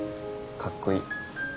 かっこいい。